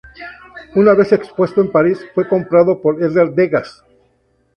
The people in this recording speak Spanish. Una vez expuesto en París, fue comprado por Edgar Degas.